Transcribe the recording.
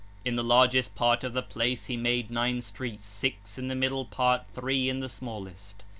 38 (123). In the largest part of the place he made nine streets, six in the middle part, three in the smallest.